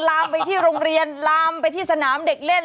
ลามไปที่โรงเรียนลามไปที่สนามเด็กเล่น